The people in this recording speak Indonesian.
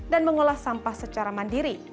dan mengolah sampah secara mandiri